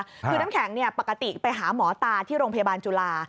คือน้ำแข็งปกติไปหาหมอตาที่โรงพยาบาลจุฬา